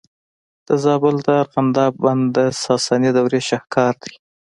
د زابل د ارغنداب بند د ساساني دورې شاهکار دی